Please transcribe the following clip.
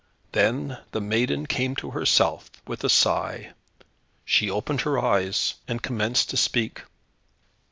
Then the maiden came to herself, with a sigh. She opened her eyes, and commenced to speak.